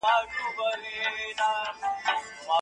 پر هر ځای مي میدانونه په ګټلي